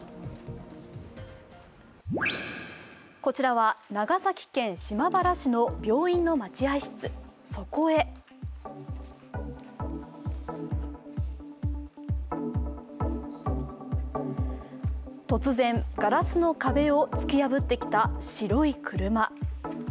こちらは長崎県島原市の病院の待合室、そこへ突然、ガラスの壁を突き破ってきた白い車。